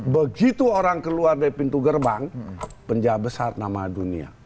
begitu orang keluar dari pintu gerbang penjahat besar nama dunia